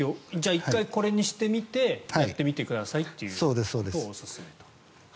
１回、これにしてみてやってみてくださいということです。